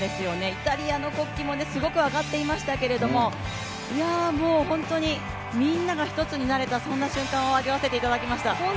イタリアの国旗もすごくあがっていましたけれども、みんなが１つになれた、そんな瞬間を味わわせていただきました。